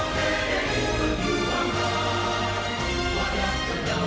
tujuan kita indonesia raya